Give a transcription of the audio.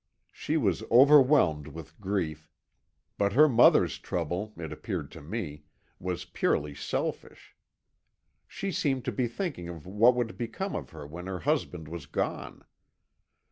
She was overwhelmed with grief, but her mother's trouble, it appeared to me, was purely selfish. She seemed to be thinking of what would become of her when her husband was gone.